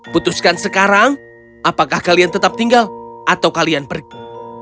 putuskan sekarang apakah kalian tetap tinggal atau kalian pergi